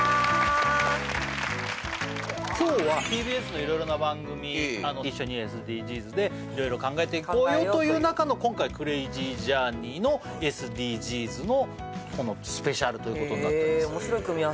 今日はＴＢＳのいろいろな番組、一緒にＳＤＧｓでいろいろ考えていこうよという中の、今回「クレイジージャーニー」のＳＤＧｓのスペシャルと言うことになっております。